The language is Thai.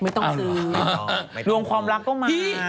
ไม่ต้องซื้อรวมความรักก็มา